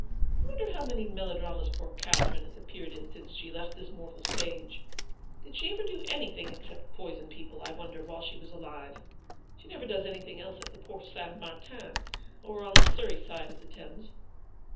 I wonder how many melodramas poor Catherine has appeared in since she left this mortal THE BLACK BUILDING BY THE RIVER. 123 stage ? Did she ever do anything except poison people, I wonder, while she was alive ? She never does anything else at the Porte Saint Martin, or on the Surrey side of the Thames.